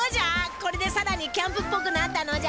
これでさらにキャンプっぽくなったのじゃ。